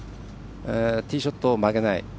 ティーショットを曲げない。